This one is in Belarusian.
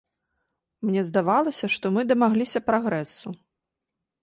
Мне здавалася, што мы дамагліся прагрэсу.